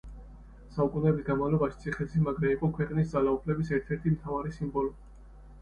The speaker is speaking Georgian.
საუკუნეების განმავლობაში ციხესიმაგრე იყო ქვეყნის ძალაუფლების ერთ-ერთი მთავარი სიმბოლო.